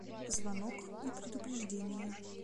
Звонок и предупреждения